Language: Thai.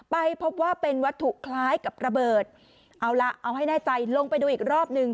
ไปพบว่าเป็นวัตถุคล้ายกับระเบิดเอาล่ะเอาให้แน่ใจลงไปดูอีกรอบหนึ่ง